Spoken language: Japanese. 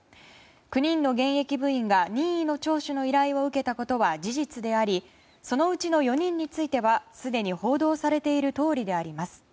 ９人の現役部員が任意の聴取の依頼を受けたことは事実でありそのうちの４人についてはすでに報道されているとおりであります。